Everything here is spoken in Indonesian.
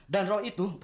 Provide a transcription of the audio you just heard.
dan raw itu